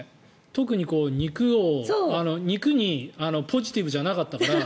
特に肉にポジティブじゃなかったから。